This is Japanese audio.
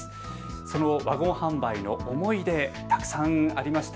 そのワゴン販売の思い出、たくさんありました。